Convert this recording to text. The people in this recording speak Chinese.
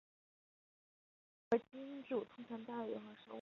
真核基因组通常大于原核生物。